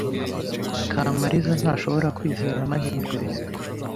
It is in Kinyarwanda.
Kamariza ntashobora kwizera amahirwe ye.